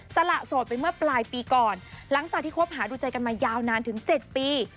สละโสดไปเมื่อปลายปีก่อนหลังจากที่คบหาดูใจกันมายาวนานถึง๗ปี